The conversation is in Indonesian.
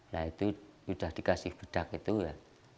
nah itu sudah dikasih bedak itu ya